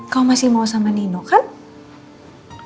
kau masih mau sama nino kan